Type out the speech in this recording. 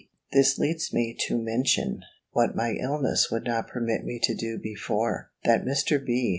This leads me to mention, what my illness would not permit me to do before, that Mr. B.